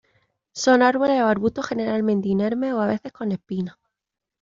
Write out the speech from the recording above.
Son árboles o arbustos generalmente inermes o a veces con espinas.